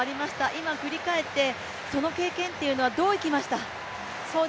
今振り返ってその経験というのはどう生きました？